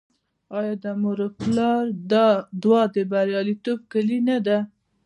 آیا د مور او پلار دعا د بریالیتوب کیلي نه ده؟